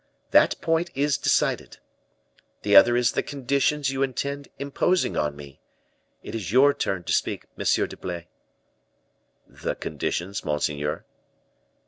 That point is decided. The other is the conditions you intend imposing on me. It is your turn to speak, M. d'Herblay." "The conditions, monseigneur?"